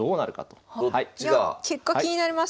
いや結果気になります。